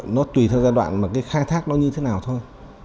nó tùy theo giai đoạn mà cái khai thác nó như thế nào thôi